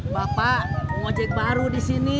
bapak mau ngajak baru di sini